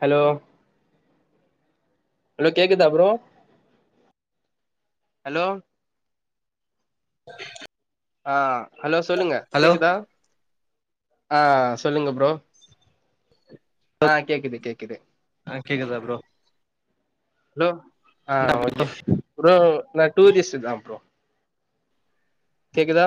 hello hello கேக்குதா bro hello ஆஹ் hello சொல்லுங்க hello கேக்குதா ஆஹ் சொல்லுங்க ப்ரோ ஆஹ் கேக்குது கேக்குது ஆஹ் கேக்குதா ப்ரோ ஹலோ என்ன ஆஹ் ப்ரோ ஓகே ப்ரோ நான் டூரிஸ்ட் தா ப்ரோ கேக்குதா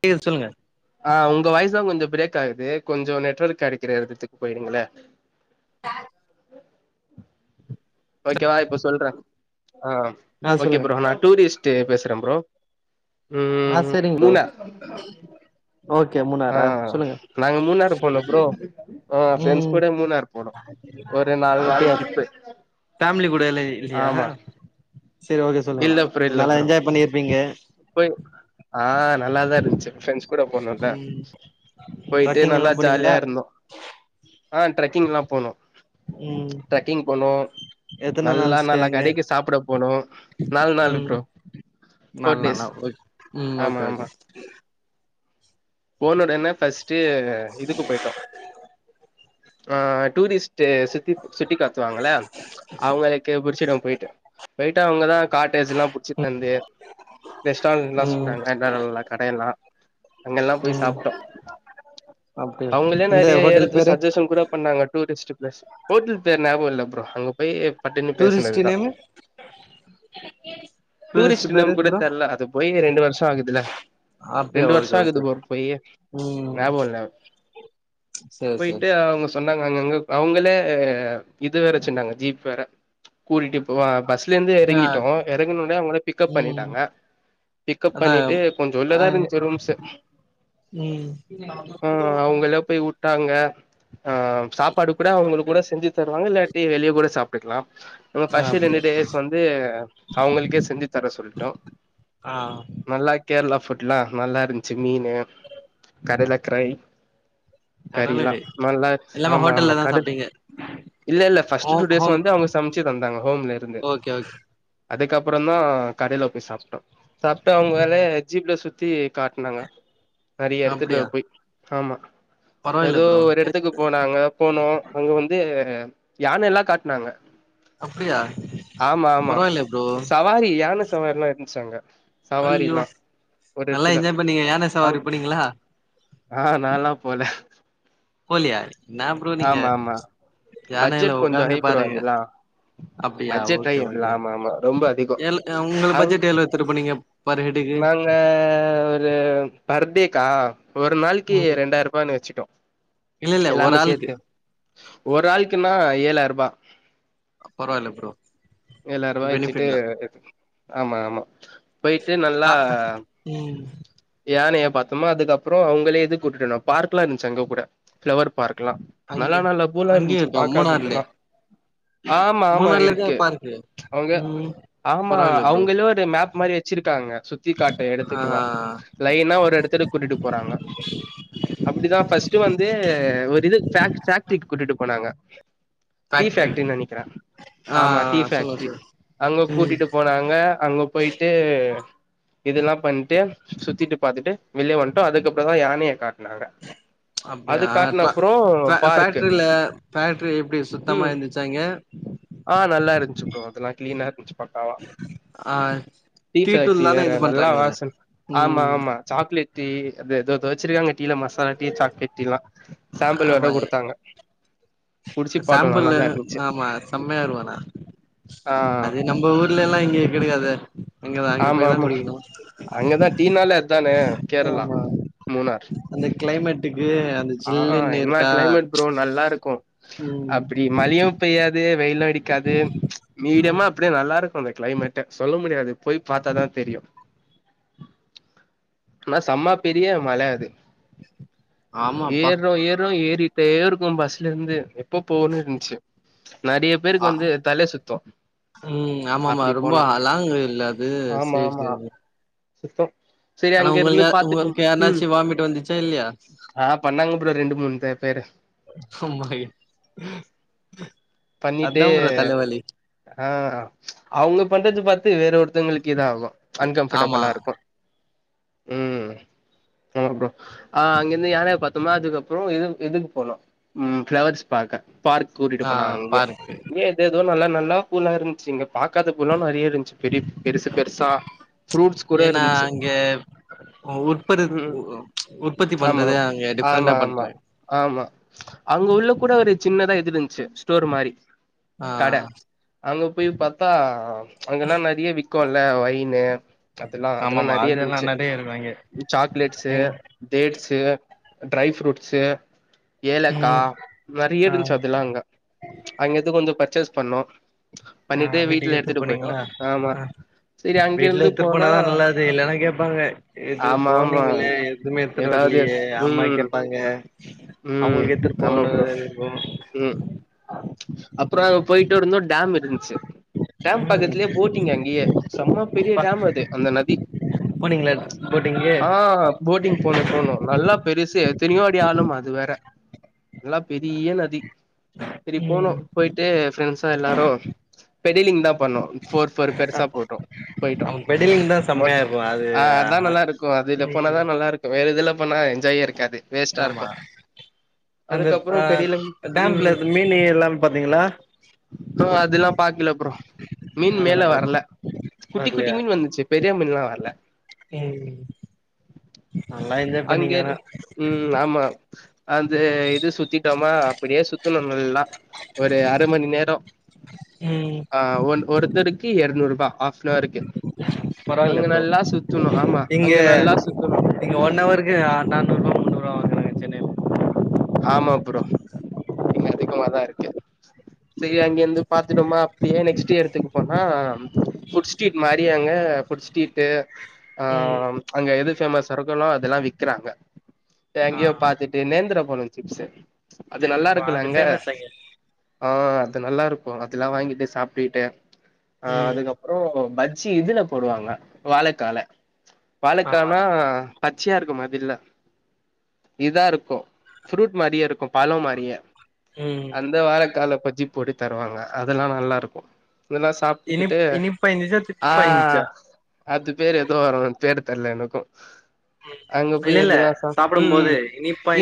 கேக்குது சொல்லுங்க ஆஹ் உங்க வாய்ஸ்தா கொஞ்சம் பிரேக் ஆகுது கொஞ்சம் நெட்வொர்க் கெடக்கிற எடத்துக்கு போயிடுங்கள சா ஓகேவா இப்ப சொல்ற ஆஹ் ஆ ஓகே சொல்லுங்க ப்ரோ நான் டூரிஸ்ட் டு பேசுறன் ப்ரோ ஆஹ் ம் சரிங் ப்ரோ மூணார் ஓகே ஆ மூணார சொல்லுங்க நாங்க மூணாறு போனோ ப்ரோ ஆ ஃப்ரெண்ட்ஸ் உம் கூட மூணாறு போனோ ஒரு நாலு நாள் அப்படியா ட்ரிப்பு பேமிலி கூடலா இல்லயா ஆமா சேரி ஓகே சொல்லுங்க இல்ல ப்ரோ இல்ல நல்லா ப்ரோ என்ஜாய் பண்ணியிருப்பீ ங்க போய் ஆஹ் நல்லாதா இருந்துச்சு ப்ரண்ட்ஸ் கூட போனல ம் போயிட்டு ட்ரக்கிங் நல்லா எல்லா போனீங்களா ஜாலியா இருந்தோம் ஆஹ் ட்ரக்கிங்லாம் போனோம் உம் நல்லா நல்லா கடைக்கு சாப்ட போனோம் நாலு நாளு ப்ரோ ஃபோர் நால் டேஸ் நாளா ஓக் உம் ஓகே ஓகே போனுடன்ன ஃபஸ்ட்டு இதுக்கு போயிட்டோம் ஆஹ் டூரிஸ்ட்டு சுத்தி சுட்டி காட்டுவாங்க இல்ல அவங்களுக்கு புடிச்சிடும் போயிட்டு போயிட்டா அவங்கதா காட்டேஜ்லாம் புடிச்சி தந்து ரெஸ்டாரண்ட்லாம் ம் சொன்னாங்க என்னா நல்லா கடையெல்லா அங் போய் ம் சாப்ட்டோ அப்டியா அவுங்களே இந்த நெறிய ஹோட்டல் எடத்துக்கு பேரு சஜ்ஜஷன் கூட பண்ணாங்க டூரிஸ்டு ப்ளஸ் ஹோட்ல் பேர் ஞாபக இல்ல ப்ரோ அங்க போயி பட்டுன்னு டூரிஸ்ட் பேசுனதுதா நேமு டூரிஸ்ட் பேரு நேம் கூட ப்ரோ தெர்ல அது போயி ரெண்டு வர்ஷோ ஆகுதுல்ல அப்டியா ரெண்டு வர்ஷோ ஓகே ஆகுது ஓகே போ பொய்யி ம் ஞாபகொ இல்ல சேரி சேரி போயிட்டு அவுங்க சொன் தாங்க அங்கங்க அவுங்களே இது வேற வெச்சுந்தாங்க ஜீப் வேற கூடிட்டே போ வா பஸ்லந்து ஆ எறங்கிட்டோ எறங்கின உனே அவுங்களே பிக்கப் ம் பண்ணிட்டாங்க பிக்கப் அதா பண்ணிட்டு கொஞ்ச ஆ உள்ளதா இருஞ்ச்சு ரூம்ஸ்சு ம் ட்டாங்க ஆஹ் சாப்பாடு கூட அவுங்களுக் கூட செஞ்சு தருவாங்க இல்ல த்தி வெளிய கூட சாப்ட்டுக்லாம் நம்ம ஆ ஃபஸ்ட்டு ரெண்டு அப்டியா டேஸ் வந்து அவுங்களுக்கே செஞ்சு தர சொல்ட்டோ ஆ நல்லா கேர்ளா போட்டிலா நல்லா இருந்ஞ்ச்சு மீனு கடலக்கரை கறில்லா கடலகை நல்லாருஞ்சு எல்லாமே ஆமா ஆமா ஹோட்டல்ல தா கடல் சாப்ட்டீங்க இல்ல இல்ல ஃபஸ்ட் ஹோம் டூடேஸ் ஹோம் வந்து அவுங்க சமைச்ச தந்தாங்கோ ஹோம்ல இருந்து ஓகே ஓகே அதுக்கப்புறந்தா கடையில போய் சாப்ட்டோ சாப்ட்டு அவுங்க வேலைய ம் ஜீப்ல சு த்து கா ந்தாங்க நெறிய எடத்துல அப்டியா பொய் ஆமா பரவாயில்ல ஏதோ ப்ரோ ஒரு எ எடத்துக்கு போனாங்க போனோ அங்க வந்து யானை எல்லா காட்னாங்க அப்டியா ஆமா ஆமா பரவாயில்ல ப்ரோ சவாரி யானை சவாரிலா இருந் ச்சாங்க அய்யோ நல்லா என்ஜாய் பண்ணி நீக யானை சவாரி அங் போனீங்ளா ஆ நாலா போல போலியா என்னா ப்ரோ நீங்க ஆமா ஆமா ப்ச் யானையில பட்ஜெட் கொஞ்சோ உக்காந்து ஹை ப்ரோ பாருங்க அதெல்லா அப்டியா பட்ஜெட் ஹை ஓகே அதெல்லா ஓகே ஆமா ஆமா ரொம்ப அதிகோ எல் அ உங்கள அங் பட்ஜெட் எவ்ளோ எத்துட்டு போனிங்க நாங்க ஒரு பர்தேக்கா ஒரு நாளிக்கி ம் ரெண்டாயிர்பானு வெச்சிட்டோ இல்ல இல்ல ஒரு எல்லாமு ஆளுக்கு சேத்து ஒரு ஆள்க்குன்னா ஏழாய்ருபா பரவாயில்ல ப்ரோ ஏழாய்ரூவா வெச்சுட்டு பெனிஃபிட் தா ஆமா ஆமா து நல்லா கா ம் யானு எப்ப பாத்தோமா அதுக்கப்ரோ அவ்ங்களே இது கூட்டிட்டு வந்தோ பார்க்லா இருந்துச்சு அங்க கூட பிளவர் பார்க்கலா அங்க நல்லா நல்ல பூலா அங்கேயே இருந்துச்சு இருக்கா மூணாறுலயே பாக்காததுல்லா ஆமா ஆமா மூணாறுலதா இருக்கு பார்க்கு அவங்க ம் ஆமா பரவாயில்ல ப்ரோ அவங்களு ஒரு மேப் மாரி வெ இருக்காங்க சுத்திக்க காட்டு ஆ எடத்துக்கெல்லா லைன ஒரு எடத்துக்கு கூட்டிட்டு போறாங்க அப்டித்தா ஃபஸ்ட் வந்து ஒரு இது பேக் பேக்ட்ரி கூட்டிட்டு போனாங்க டீ ஃபேக்ட்ரி பேக்டரினு நெனைக்கிற ஆ ஆமா டீ சொல்லுங்க பேக்டரி சொல்லுங்க அங்க ம் கூட்டிட்டு போனாங்க அங்க போயிட்டு ஆஹ் இதெல்லா பண்ட்டு சுத்திட்டு பாத்துட்டு வெளியே வன்டோ அதுக்கப்றோ தா யானைய காட் னாங்க அது அப்டியா காட்டின ஃபே அப்றோ ஃபே பார்க்கு ஃபேக்ட்ரில ஃபேக்ட்ரி எப்டி சுத்தமா உம் இருந்துச்சா அங்க ஆஹ் நல்லா இருந்துச்சு ப்ரோ அதெல்லா கிளீனா இருந்துச்சு பக்காவா ஆ டீ பேக்ட்ரி தூள் தான வேற இது நல்லா பண்றாங்க அத வாசன் ஆமா ம் ஆமா சாக் இஞ்சி டி ஏதோ ஏதோ வெச்சு இருகாங்க டீ ல மசாலா டீ சாக்லெட்டீலா சாம்பிள் வேற குடுத்தாங்க குடிச்சு பாத்தோ சாம்பில்லு நல்லாதா இருந்துச்சு ஆமா செம்மையா இருக்கு ஆன ஆ அது நம்ம ஊர்ல எல்லா இங்க கெடைக்காதே ஆமா ஆமா அங்கதா டீனாலே அதானே கேரளா ஆமா மூணார் அந்த கிளைமேட்டுக்கு அந்த ஆஹ் ஆஹ் ஜில்லுன்னு என்னா இருக்கா கிளைமேட் ப்ரோ நல்லா இருக்கு ம் அப்டி மழியுத் பெய்யாது வெயிலு அடிக் க்காது மீடியமா அப்டியே நல்லா இருக்கு அந்த கிளைமெட்டே சொல்ல முடியாது போய் பாத்தாதா தெரியு ஆனா செம்மா பெரிய மல அது ஆமாப்பா ஏர்றோ ஏர்றோ ஏறிட்டேருக் உம் பஸ்ஸுருந்து எப்போ போன்னுருந்ச்சு நெறய ஆ பேருக்கு வந்து தல சுத்து ம் ஆமாமா அப்டி ரொம்ப போனா லாங் இல்ல அது சேரி சேரி சுத்தோ செரி ஆனா அங்க இருந்து உங்களுக்கு யா பாத்துட்டோ உங்களுக்கு உம் யாருனாச்சு வாமிட் வந்துச்சா இல்லையா ஆஹ் பண்ணாங்க ப்ரோ ரெண்டு மூணு பே பேரு ஆமா பண்ணிட்டு அதா ப்ரோ தலைவலி ஆஹ் அவ்ங்க பண்றது பாத் வேற ஒருத்தவங்களுக்கு இத ஆகும் ஆமா அன்கம்ஃபர்டபிளா இருக்கும் உஹம் ஆமா ப்ரோ ஆஹ் அங்கிருந்து யானையை பார்த்தோம்மா அதுக்கப்புறம் இது இதுக்கு போனோம் உம் பிளவர்ஸ் பாக்க பார்க் கூட்டிட்டு ஆ போனாங்கங்க பார்க்கு எதோ எதோ நல்லா நல்லா பூலா இருந்துச்சுங்க பாகத பூலாம் நிறைய இருந்துச்ச பெ பெருசு பெருசா ப்ரூட்ஸ் கூட ஏன்னா இருந்துச்சு அங்க உற்பரு உம் உற்பத்தி ஆமா பண்றது அங்க ஆமா டிஃப்ரெண்டா ஆமா பண்றாங்க ஆமா அங்க உள்ள கூட ஒரு சின்தா எதுல ஸ்டோர் மாதிரி ஆ கடை அங்க போ போய் பார்த்தா அங்கெல்லாம் ந இருக்கல்ல ஓயினு அதெல்லாம் அதெல்லாம் ஆமாமா நிறைய அதெல்லா இருந்துச்சு நெறைய இருக்கு அங்க சாக்லேட்ஸு ம் தேட்ஸு ட்ரை ஃப்ரூட்ஸு ம் ஏலக்காய் நிறைய ஆ இருந்துச்சு அதெல்லாம் அங்க அங்க எது கொஞ்சம் பர்ச்சேஸ் பண்ணோம் பண்ணிட்டு வீட்டுல எடுத்துட்டு போயிட்டோம் அஹ் வீட்டுல எத்துட்டு போனா போனாதா நல்லாது இல்லைன்னா கேட்பாங்க எது ஆமா ஆமா போனீங்க எதுவுமே எத்துட்டு ஏதாவது வரலையே அம்மா ம் கேட்பாங்க ம் அவங்களுக்கு எத்துட்டு ஆமா போணும் அப்புறம் போயிட்டு வ இருந்தோம் டேம் ந்துச்சு டேம் ம் பக்கத்திலேயே போட்டிங் அங்கேயே செம்ம பெரிய டேம் அது அந்த நதி போனீங்களா போட்டிங்கு ஆஹ் போட்டிங் போணும் போணும் நல்லா பெருசு எத்தனையோ அடி ஆளும் அது வேற நல்லா பெரிய நதி சரி போநோ ம் போயிட்டு ஃப்ரெண்ட்ஸா எல்லாரும் பேடிலிங்காத பண்ண பௌர் பௌர் பெருசா போட்டோம் போயிட்டோம் நம்ம பெடலிங் தா செம்மையா இருக்கு அது அதான் நல்லா இருக்கும் அதுல போனதா ம் நல்லா இருக்கும் வேற இதுல பண்ண ஜாயா இருக்காது வேஸ்ட்டா ஆமா இருக்கும் அந்த அதுக்கப்புறம் ஆ பெடிலிக்கும் டேம்ப்ல மீன் எல்லாமே பாத்தீங்களா அதெல்லா பாக்கல ப்ரோ மீன் அதெல்லா மேல பா வரல குட்டி குட்டி பாக்கலையா மீன் வந்துச்சு பெரிய மீன் எலாம் வரல ம் நல்லா என்ஜாய் பண்ணீங்க அங்கே ஆனா உம் ஆமா அந்த இது சு சுத்திட்டோமா அப்படியே சுத்தணும் நல்லா ஒரு அரை மணி நேரம் ம் ஆஹ் ஒ ஒருத்தருக்கு இரநூறு ரூபா ஹப்ன்ருக்கு பரவாயில்ல அங்க ப்ரோ நல்லா சுத்தணும் ஆமா இங்க அங்க நல்லா சுத்தணும் உம் இங்க நானூரூபா முன்னூறு ரூபா வாங்குறாங்க சென்னைல ஆமா ப்ரோ இங்க அதிகமாதா இருக்கு சேரி அங்கிருந்து பாத்துட்டோமா அப்டியே நெக்ஸ்ட் இடத்துக்கு போனா ஃபுட் ஸ்ட்ரீட் மாரியாங்க ஃபுட் ஸ்ட்ரீட்டு ஆ ம் அங்க இது ஃபேமஸ் சரக்குலா அதெல்லா விக்கிறாங்க ஆ எங்கயோ பாத்துட்டு நேந்திர சிப்ஸ் அது நல்லா இருந்திருப்பா இருக்குல்ல அது அங்க ஃபேமஸாங்க ஓ அது நல்லா இருக்கு அதெல்லா வாங்கிட்டு சாப்பிட்டுட்டு அ ம் அதுக்கப்பறோ பஜ் ஜி இதுல போடுவாங்க வாழைக்கால ஆமா வாழைக்கானா பச்சையா இருக்கு அது இல்ல இதா இருக்கும் ஃப்ரூட் மாரியே இருக்கு பாழம் மாரியே ம் அந்த வாழக்கால பஜ்ஜி போட்டு தருவாங்க அதெல்லா நல்லா இருக்கும் இதெல்லா இனிப் சாப்ட்டுக்கிட்டு இனிப்பா இருந்துச்சா ஆ தித்திப்பா இருந்துச்சா அது பேரு எதோ வரும் பேர் தெரில எனக்கு அங்க இல்ல போய் இல்ல இதெல்லா சாப் சாப்பிடும் ம் போது ம்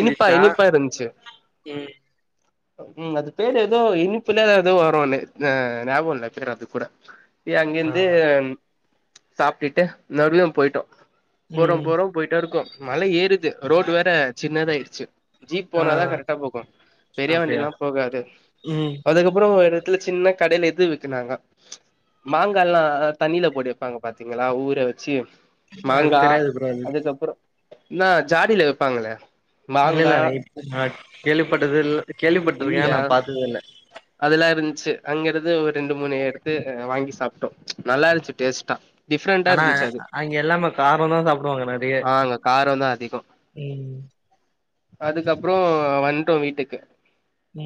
இனிப்பா இனிப்பா இருந்துச்சு உம் அது பேர் ஏதோ இனி ப்புல எது வரும் ம் ஞாபக இல்ல பேரு அது கூட ஏ ஆ அங்கேந்து சாப்ட்டுட்டு நடுவுல போயிட்டோம் போறோ ம் போறோ போயிட்டே இருக்கோ மல ஏறுது ரோடு வேற சின்னதா ச்சி ஜீப் ஆ போனாதா கரெக்டா போகு பெரிய வண்டி அப்டியா லா போகாது ம் அதுக்கப்பறோ ஒரு இடத்துல சின்ன கடைல எ து விக்குனாங்க மாங்கால்லா தண்ணியில போட்டு விப்பாங்க பாத்தீங்களா ஊர வச்சு எனக்கு மாங்கா தெரியாது ப்ரோ அது அதுக்கப்பறம் என்னா ஜாடில விப்பாங்களே இல்லல்ல மாங்கா இப்ப நா கேள்விப்பட்டது இ கேள்விப்பட்ருக்கே இல்லியா ஆனா பாத்ததில்ல அதெல்லா இருந்துச் சி அங்கிருந்து ஒரு ரெண்டு மூணு எடுத்து வாங்கி சாப்பிட்டோம் நல்லா இருந்துச்சி டேஸ்ட்டா டிஃப்ரெண்டா ஆனா இருந்துச்சு அது அங்க எல்லாம கார தா சாப்பிடுவாங்க நெறைய ஆ அங்க ம் அதுக்கப்றோ வன்ட்டோ வீட்டுக்கு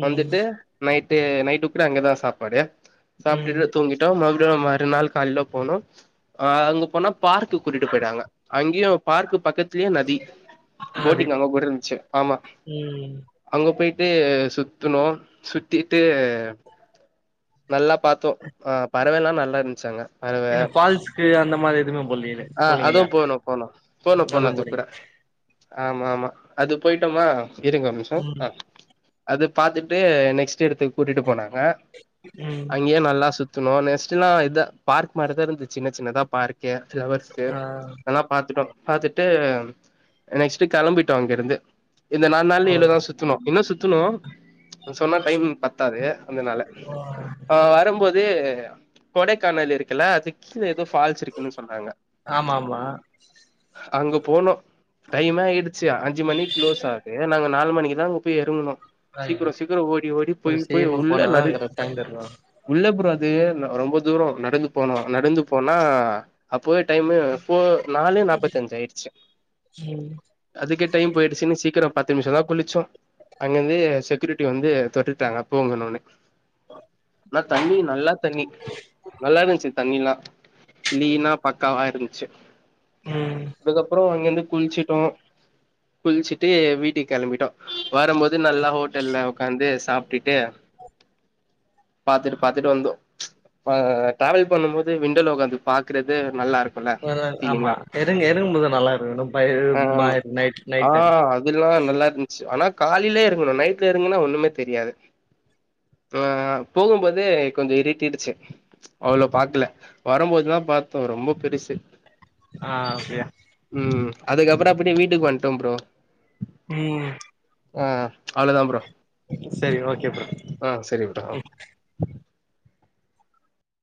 ம் வந்துட்டு நைட் நைட்டு கூட அங்கதா சாப்பாடு ம் சாப்ட்டுட்டு தூங்கிட்டோ மறுபடியு மறுநாள் கால்ல போனோ ஆ அங்க போனா பார்க் கூட்டிட்டு போயிட்டாங்க அங்கேயு பார்க் பக்கத்துலயே நதி அது போட்டிங் அங்க கூட இருந்துச்சு ஆமா ம் அங்க போயி ட்டு சுத்துனோ சு த்திட்டு நல்லா பாத்தோ, ஆ பறவைலா நல்லா இருந்துச்சி அங்க பறவ என்ன ஃபால்ஸ்கு அந்த மாரி எதுமே ஆ அதுவு போனோ போனோ போனோ போனோ அதுவு அது போறீங்க கூட ஆமா ஆமா அது போயிட்டோமா இருங்க ஒரு நிமிஷோ ம் ஆ அது பாத்துட்டு நெக்ஸ்ட் எடத்துக்கு கூட்டிட்டு போனாங் க ம் அங்கயு நல்லா சுத் துனோ நெக்ஸ்ட்னா இத பார்க் மாரிதா இருந்துச் சின்ன சின்னதா பார்க்கு ப்ளவர்ஸு ஆ எல்லா பாத்துட்டோ பாத்துட்டு நெக்ஸ்ட் களம்பிட்டோ அங்க இருந்து இந்த நாலு நாள் ஓ இவ்ளோதா சுத்துனோ, இன்னு சுத்துனோ சொன்னா டைம் பத்தாது அந்தனால ஆ வரும்போது கொடைக்கானல் இருக்குல்ல அது ஸ்ல ஏதோ ஃபால்ஸ் இருக்குணு சொல்றாங்க, ஆமா ஆமா அங்க போனோ டைம்மே ஆயிடுச்சி அஞ் சு மணிக்கு க்ளோஸ் ஆகுது நாங்க நாலு மணிக்குதா அங்க போய் எறங்குனோ சீக்கிரோ சீக்கிரோ ஓடி ஓடி போய் கொஞ்சோ போய் சீக்கிரமா உள்ள போனாதா கரெக்ட் டைம் இருக்கும் நறைய அதுவே ந ரொம்ப தூரம் நடந்து போனோ, நடந்து போனா அப்போவே டைமு ஃபோர் நாலு நாப்பத்தஞ்சு ஆயிடுச்சு ம் அதுக்கே டைம் போயிடுச்சுன்னு சீக்கிரம் பத்து நிமிஷம்தா குளிச்சோ, அங்கிருந்து செக்யூரிட்டி வந்து தொட்டுட்டாங்க போகனுன்னு ஆனா தண்ணி நல்லா தண்ணி நல்லா இருந்துச்சு தண்ணில்லா இன்னிக்கி என்னா பக்காவா இருந்துச்சு ம் அதுக்கப்பறோ அங்கிருந்து குளிச்சிட்டோ குளிச்சுட்டு வீட்டுக்கு கிளம்பிட்டோ வரும்போது நல்லா ஹோட்டல்ல உக்காந்து சாப்பிட்டுட்டு பாத்துட்டு பாத்துட்டு வந்தோம் அஹ் டிராவல் பண்ணும்போது விண்டோல உட்காந்து பாக்குறது இது நல்லா இருக் ஆமா எறங்க எறங்கும்போது நல்லா இருக்கும் இன்னும் [unintelligible] ஆ பயமா ஆமா நைட் நைட் டைம் காலையிலே இருங்கணு நைட்ல இருங்கன்னா ஒண்ணமே தெரியாது ஆஹ் போகும்போது கொஞ்சோ இருட்டிடுச்சு அவ்வளோ பார்க்கல வரும்போதுதான் பா ரொம்ப பெருசு ஆஹ் ஓகே அதுக்கப்பறோ அப்டியே வீட்டுக்கு வந்துட்டோ ப்ரோ உம் ஆஹ் அவ்ளவுதான் ப்ரோ செரி ஓகே ப்ரோ ஆ சரி ப்ரோ